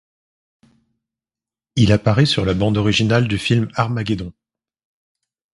Il apparait sur la bande originale du film Armageddon.